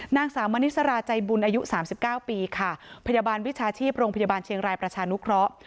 นางสาวมณิสราใจบุญอายุ๓๙ปีค่ะพยาบาลวิชาชีพโรงพยาบาลเชียงรายประชานุเคราะห์